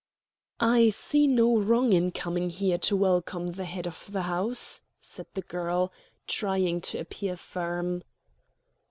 "I see no wrong in coming here to welcome the head of the house," said the girl, trying to appear firm.